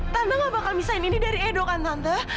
tante gak bakal misahin ini dari edo kan tante